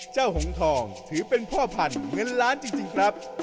เจ้าหงฑถือเป็นพ่อผันเงินล้านจริงครับ